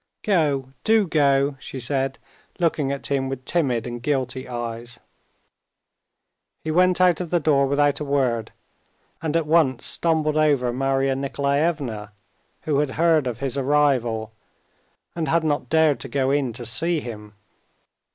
"Go, do go!" she said, looking at him with timid and guilty eyes. He went out of the door without a word, and at once stumbled over Marya Nikolaevna, who had heard of his arrival and had not dared to go in to see him.